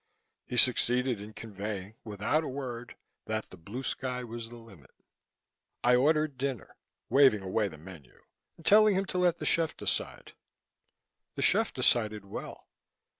He succeeded in conveying, without saying a word, that the Blue Sky was the limit. I ordered dinner, waving away the menu and telling him to let the chef decide. The chef decided well.